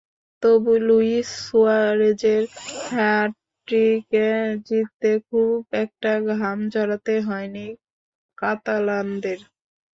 তবু লুইস সুয়ারেজের হ্যাটট্রিকে জিততে খুব একটা ঘাম ঝরাতে হয়নি কাতালানদের।